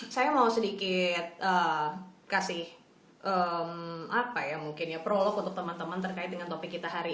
saya mau sedikit kasih apa ya mungkin ya prolog untuk teman teman terkait dengan topik kita hari